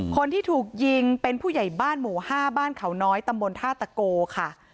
คนที่ถูกยิงเป็นผู้ใหญ่บ้านหมู่๕บ้านเขาน้อยตำบลท่าตะโกค่ะ